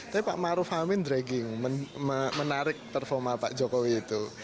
tapi pak maruf amin dragging menarik performa pak jokowi itu